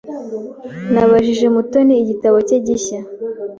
Nabajije Mutoni igitabo cye gishya.